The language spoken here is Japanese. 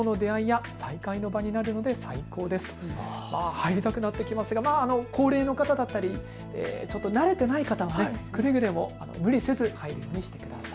入りたくなってきますが高齢の方だったり慣れてない方はくれぐれも無理せず入るようにしてください。